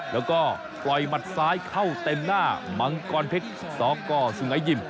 แล้วก็ปล่อยหมัดซ้ายเข้าเต็มหน้ามังกรเพชรสกสุงัยยิม